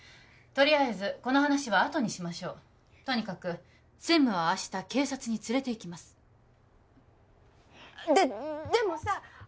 とりあえずこの話はあとにしましょうとにかく専務は明日警察に連れていきますででもさあの